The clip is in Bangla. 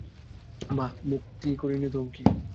বাঃ, ভক্তি করি নে তো কী!